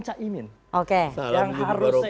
caimin oke yang harusnya